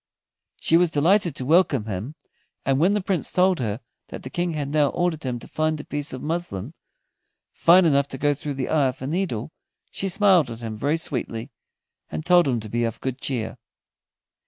She was delighted to welcome him, and when the Prince told her that the King had now ordered him to find a piece of muslin fine enough to go through the eye of a needle, she smiled at him very sweetly, and told him to be of good cheer.